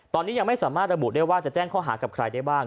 ตอนนี้ยังไม่สามารถระบุได้ว่าจะแจ้งข้อหากับใครได้บ้าง